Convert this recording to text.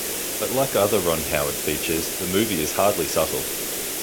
But like other Ron Howard features, the movie is hardly subtle.